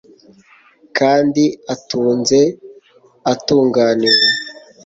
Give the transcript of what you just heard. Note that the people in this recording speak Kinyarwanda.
kandi atunze, atunganiwe